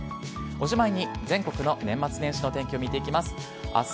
おしまいに全国の年末年始の天気を見ていきます。